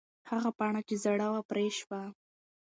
هغه پاڼه چې زړه وه، پرې شوه.